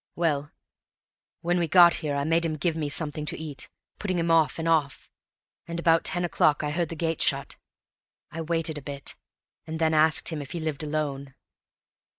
Well, when we got here I made him give me something to eat, putting him off and off; and about ten o'clock I heard the gate shut. I waited a bit, and then asked him if he lived alone.